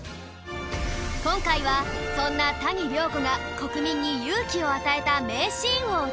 今回はそんな谷亮子が国民に勇気を与えた名シーンをお届け